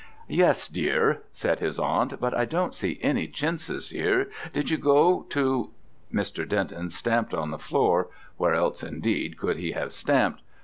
"Yes, dear," said his aunt, "but I don't see any chintzes here. Did you go to ?" Mr. Denton stamped on the floor (where else, indeed, could he have stamped?).